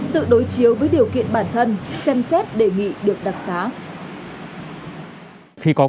tự đối chiếu với điều kiện bản thân xem xét đề nghị được đặc xá